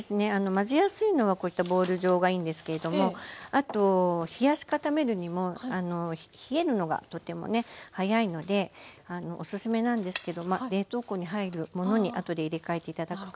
混ぜやすいのはこういったボウル状がいいんですけれどもあと冷やし固めるにも冷えるのがとてもね早いのでおすすめなんですけど冷凍庫に入るものにあとで入れ替えて頂くか。